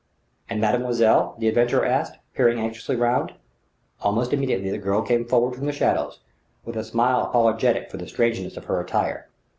"And mademoiselle?" the adventurer asked, peering anxiously round. Almost immediately the girl came forward from the shadows, with a smile apologetic for the strangeness of her attire.